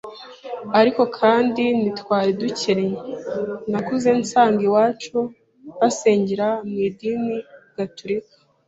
ariko kandi ntitwari dukennye nakuze nsanga iwacu basengera mu idini gatulika,